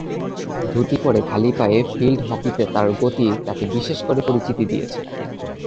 ধুতি পরে খালি পায়ে ফিল্ড হকিতে তার গতি তাকে বিশেষ করে পরিচিতি দিয়েছে।